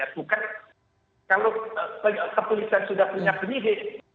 bukan kalau kepolisian sudah punya penyidik